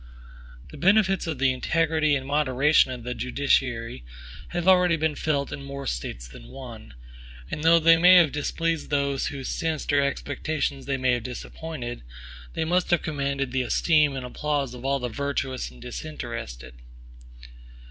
The benefits of the integrity and moderation of the judiciary have already been felt in more States than one; and though they may have displeased those whose sinister expectations they may have disappointed, they must have commanded the esteem and applause of all the virtuous and disinterested.